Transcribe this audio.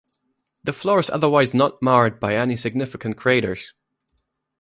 The floor is otherwise not marred by any significant craters.